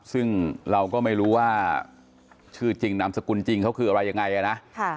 ซึ่งเราก็ไม่รู้ว่าชื่อจริงนามสกุลจริงเขาคืออะไรยังไงนะ